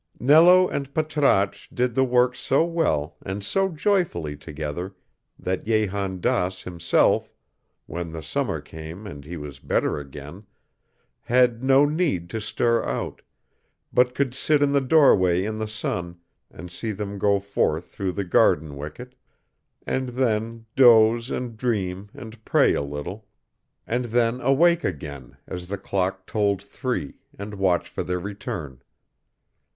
Nello and Patrasche did the work so well and so joyfully together that Jehan Daas himself, when the summer came and he was better again, had no need to stir out, but could sit in the doorway in the sun and see them go forth through the garden wicket, and then doze and dream and pray a little, and then awake again as the clock tolled three and watch for their return.